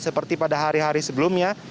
seperti pada hari hari sebelumnya